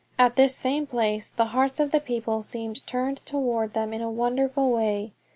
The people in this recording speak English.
At this same place the hearts of the people seemed turned toward them in a wonderful way.